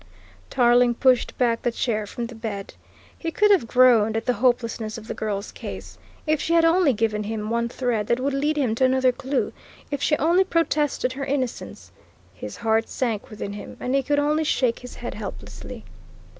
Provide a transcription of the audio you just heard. Tarling pushed back the chair from the bed. He could have groaned at the hopelessness of the girl's case. If she had only given him one thread that would lead him to another clue, if she only protested her innocence! His heart sank within him, and he could only shake his head helplessly.